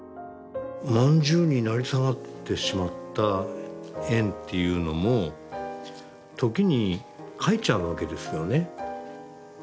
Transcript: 饅頭に成り下がってしまった円っていうのも時に描いちゃうわけですよね。